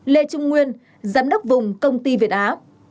lê trung nguyên giám đốc vùng công ty việt á